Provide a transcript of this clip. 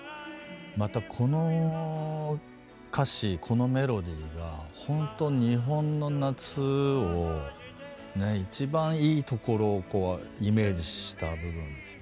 またこの歌詞このメロディーがほんと日本の夏をねえ一番いいところをこうイメージした部分でしょうね。